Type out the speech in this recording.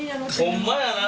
ホンマやな。